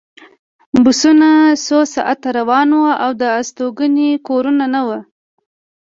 بسونه څو ساعته روان وو او د استوګنې کورونه نه وو